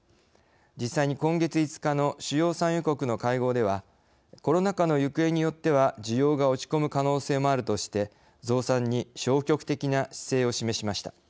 実際に今月５日の主要産油国の会合ではコロナ禍の行方によっては需要が落ちこむ可能性もあるとして増産に消極的な姿勢を示しました。